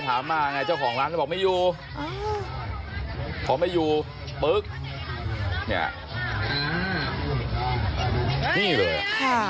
แล้วเตะเข้าหน้าเขาเลย